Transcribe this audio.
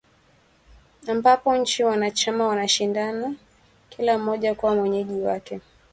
ambapo nchi wanachama wanashindana kila mmoja kuwa mwenyeji wake